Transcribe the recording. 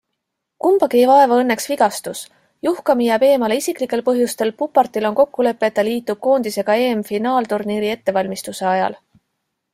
Kumbagi ei vaeva õnneks vigastus, Juhkami jääb eemale isiklikel põhjustel, Pupartil on kokkulepe, et ta liitub koondisega EM-finaalturniiri ettevalmistuse ajal.